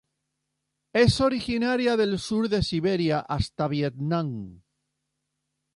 Es originaria del sur de Siberia hasta Vietnam.